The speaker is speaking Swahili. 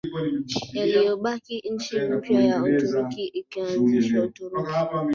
yaliyobaki nchi mpya ya Uturuki ikaanzishwa Uturuki